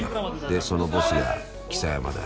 でそのボスが象山だ。